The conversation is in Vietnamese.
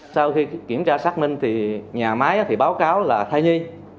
sau khi kiểm tra xác minh thì nhà máy thì báo cáo là thai nhi